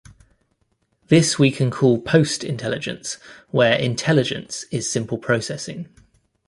This we can call "post-intelligence" where "intelligence" is simple processing.